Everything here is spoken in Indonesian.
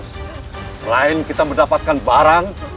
selain kita mendapatkan barang